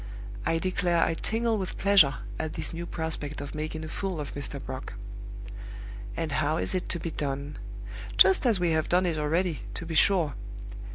I declare I tingle with pleasure at this new prospect of making a fool of Mr. Brock. "And how is it to be done? Just as we have done it already, to be sure.